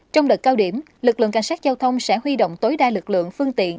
trong đợt cao điểm lực lượng cảnh sát giao thông sẽ huy động tối đa lực lượng phương tiện